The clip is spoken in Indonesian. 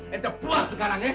saya puas sekarang